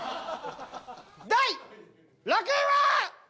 第６位は！